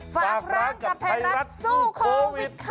ฝากร้านกับไทยรัฐสู้โควิดค่ะ